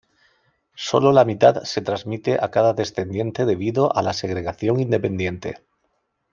Solo la mitad se transmite a cada descendiente debido a la segregación independiente.